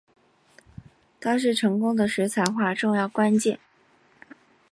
它是成功的水彩画重要关键。